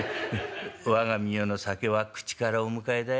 我がみよの酒は口からお迎えだい。